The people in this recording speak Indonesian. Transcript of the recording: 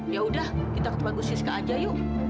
ya udah kita ke bagus iska aja yuk